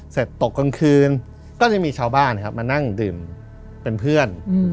ตกกลางคืนก็จะมีชาวบ้านครับมานั่งดื่มเป็นเพื่อน